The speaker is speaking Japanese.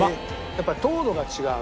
やっぱり糖度が違う。